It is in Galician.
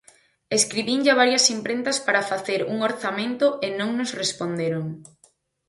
Escribinlle a varias imprentas para facer un orzamento e non nos responderon.